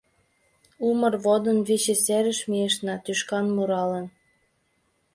Умыр водын Виче серыш Мийышна, тӱшкан муралын.